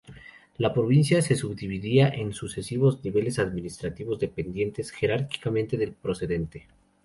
La provincia se subdividía en sucesivos niveles administrativos dependientes jerárquicamente del precedente.